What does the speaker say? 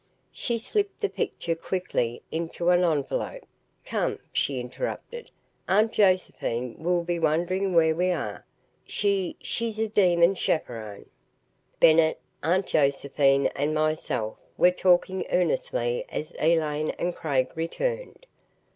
She slipped the picture quickly into an envelope. "Come," she interrupted. "Aunt Josephine will be wondering where we are. She she's a demon chaperone." Bennett, Aunt Josephine and myself were talking earnestly as Elaine and Craig returned.